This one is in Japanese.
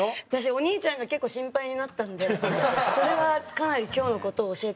お兄ちゃんが結構心配になったんでそれはかなり今日の事を教えてあげたいなって。